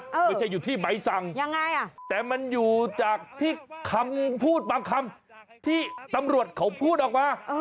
ไม่ใช่อยู่ที่ใบสั่งยังไงอ่ะแต่มันอยู่จากที่คำพูดบางคำที่ตำรวจเขาพูดออกมา